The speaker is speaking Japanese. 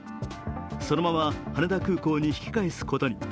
そのまま羽田空港に引き返すことに。